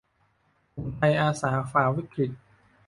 กลุ่มไทยอาสา ฝ่าวิกฤต